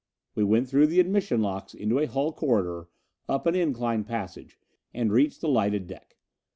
We went through the admission locks into a hull corridor, up an incline passage, and reached the lighted deck.